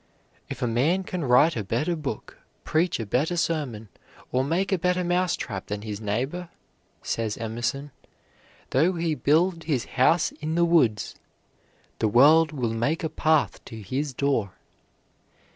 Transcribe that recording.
"If a man can write a better book, preach a better sermon, or make a better mousetrap than his neighbor," says Emerson, "though he build his house in the woods, the world will make a path to his door."